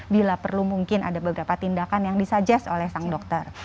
bila perlu mungkin ada beberapa tindakan yang disudges oleh sang dokter